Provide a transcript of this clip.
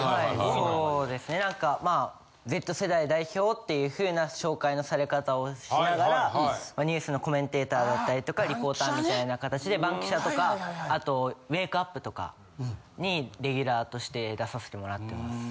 そうですねなんかまあＺ世代代表っていうふうな紹介のされ方をしながらニュースのコメンテーターだったりとかリポーターみたいなかたちで『バンキシャ！』とかあと『ウェークアップ』とかにレギュラーとして出させてもらってます。